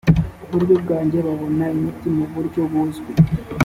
uburyo bajya babona imiti mu buryo buzwi